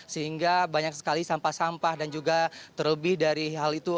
sehingga banyak sekali sampah sampah dan juga terlebih dari hal itu